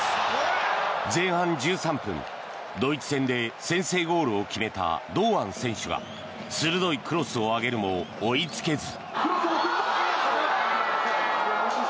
前半１３分、ドイツ戦で先制ゴールを決めた堂安選手が鋭いクロスを上げるも追いつけず。